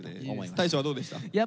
大昇はどうでした？